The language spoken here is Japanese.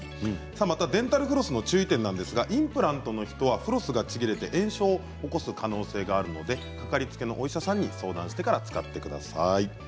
また、デンタルフロスの注意点ですがインプラントの人はフロスがちぎれて炎症を起こす可能性があるので掛かりつけのお医者さんと相談してから使ってください。